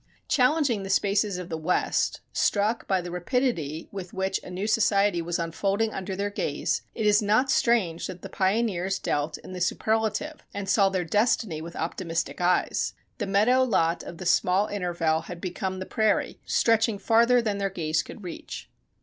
Challenging the spaces of the West, struck by the rapidity with which a new society was unfolding under their gaze, it is not strange that the pioneers dealt in the superlative and saw their destiny with optimistic eyes. The meadow lot of the small intervale had become the prairie, stretching farther than their gaze could reach.